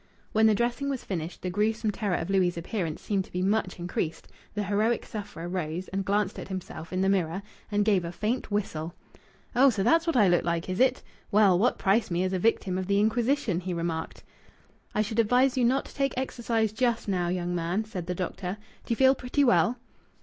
When the dressing was finished, the gruesome terror of Louis' appearance seemed to be much increased. The heroic sufferer rose and glanced at himself in the mirror, and gave a faint whistle. "Oh! So that's what I look like, is it? Well, what price me as a victim of the Inquisition!" he remarked. "I should advise you not to take exercise just now, young man," said the doctor. "D'you feel pretty well?"